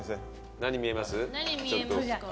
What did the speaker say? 何見えますか？